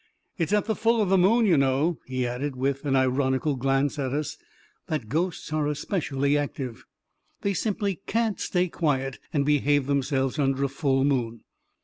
" It's at the full of the moon, you know,' 9 he added, with an ironical glance at us, " that ghosts are especially active. They simply catit stay quiet and behave themselves under a full moon